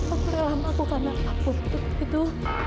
aku rela melakukan apa pun untuk itu